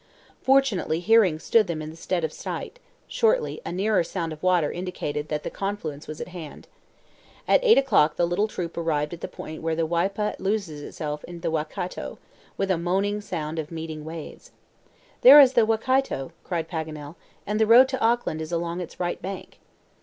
Fortunately hearing stood them in the stead of sight; shortly a nearer sound of water indicated that the confluence was at hand. At eight o'clock the little troop arrived at the point where the Waipa loses itself in the Waikato, with a moaning sound of meeting waves. "There is the Waikato!" cried Paganel, "and the road to Auckland is along its right bank."